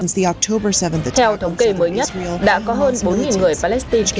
theo thống kê mới nhất đã có hơn bốn người palestine thiệt mạng